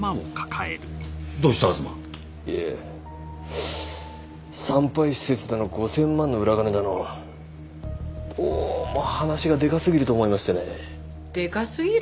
東いえ産廃施設だの５０００万の裏金だのどうも話がでかすぎると思いましてねでかすぎる？